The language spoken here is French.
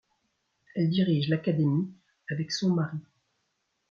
Elle dirige l'Académie avec son mari.